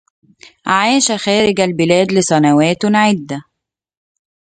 عاش خارج البلاد لسنوات عدة.